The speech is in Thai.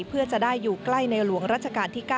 เพื่อจะได้อยู่ใกล้ในหลวงรัชกาลที่๙